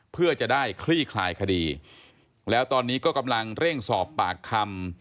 เพื่อจะได้คลี่คลายคดีแล้วตอนนี้ก็กำลังเร่งสอบปากคำ